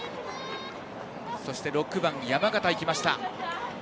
そして６番、山形が行きました。